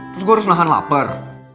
terus gue harus nahan lapar